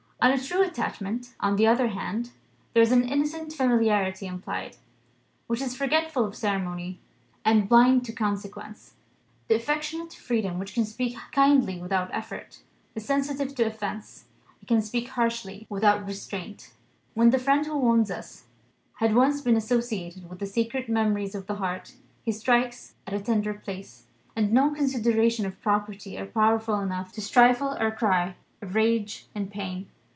In a true attachment, on the other hand, there is an innocent familiarity implied, which is forgetful of ceremony, and blind to consequences. The affectionate freedom which can speak kindly without effort is sensitive to offence, and can speak harshly without restraint. When the friend who wounds us has once been associated with the sacred memories of the heart, he strikes at a tender place, and no considerations of propriety are powerful enough to stifle our cry of rage and pain.